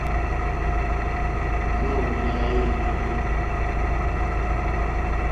Nóò lâ ŋwɛ́ǃɛ́lɛ́.